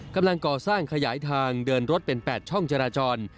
กำลังก่อสร้างขยายทางเดินรถเป็น๘ช่องจราจร